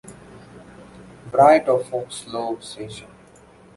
Wright of Foxlow station.